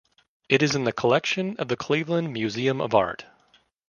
It is in the collection of the Cleveland Museum of Art.